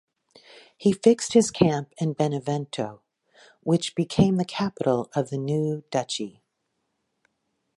He fixed his camp in Benevento, which became the capital of the new duchy.